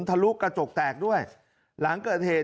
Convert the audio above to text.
ทะลุกระจกแตกด้วยหลังเกิดเหตุ